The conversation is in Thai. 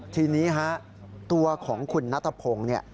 ทีนี้ฮะตัวของคุณนัทพงศ์เนี่ย